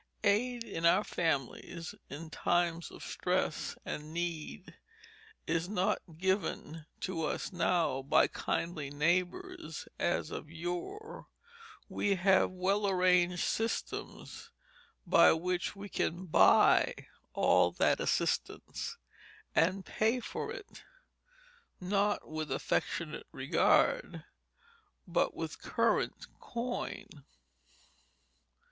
Aid in our families in times of stress and need is not given to us now by kindly neighbors as of yore; we have well arranged systems by which we can buy all that assistance, and pay for it, not with affectionate regard, but with current coin.